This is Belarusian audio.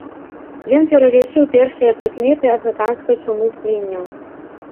Ён пералічыў першыя прыкметы афрыканскай чумы свінняў.